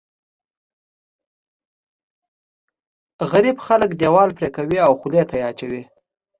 غريب خلک دیوال پرې کوي او خولې ته یې اچوي.